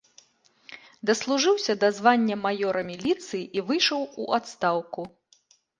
Даслужыўся да звання маёра міліцыі і выйшаў у адстаўку.